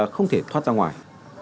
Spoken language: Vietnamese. không thể thoát ra ngoài